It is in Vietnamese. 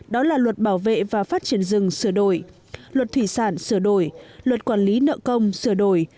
đó là luật bảo vệ và phát triển rừng sửa đổi luật thủy sản sửa đổi luật quản lý nợ công sửa đổi